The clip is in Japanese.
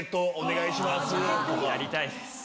やりたいです。